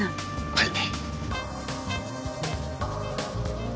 はい。